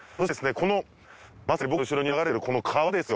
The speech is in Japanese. このまさに僕の後ろに流れているこの川ですよ。